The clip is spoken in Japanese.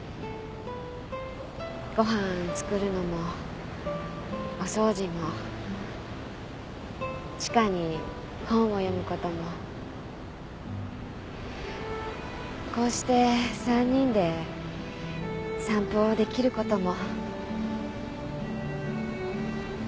ご飯作るのもお掃除も千賀に本を読むこともこうして三人で散歩できることも。